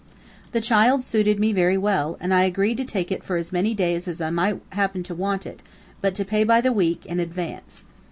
The child suited me very well, and I agreed to take it for as many days as I might happen to want it, but to pay by the week, in advance.